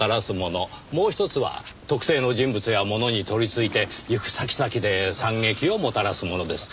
もう一つは特定の人物や物に取り憑いて行く先々で惨劇をもたらすものです。